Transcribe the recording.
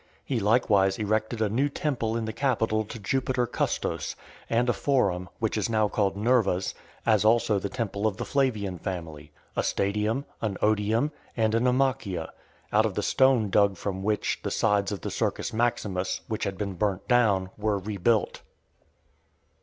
He likewise erected a new temple in the Capitol to Jupiter Custos, and a forum, which is now called Nerva's , as also the temple of the Flavian family , a stadium , an odeum , and a naumachia ; out of the stone dug from which, the sides of the Circus Maximus, which had been burnt down, were rebuilt.